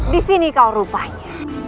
di sini kau rupanya